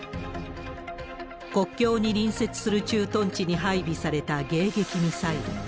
国境に隣接する駐屯地に配備された迎撃ミサイル。